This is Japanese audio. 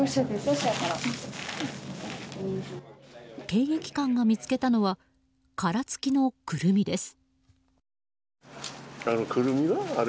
検疫官が見つけたのは殻付きのクルミです。